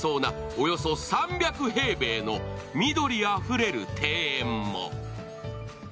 およそ３００平米の緑あふれる庭園も。